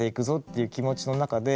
いう気持ちの中で。